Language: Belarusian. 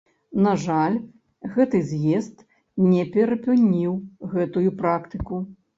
На жаль, гэты з'езд не перапыніў гэтую практыку.